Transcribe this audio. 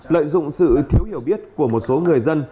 lợi dụng sự thiếu hiểu biết của một số người dân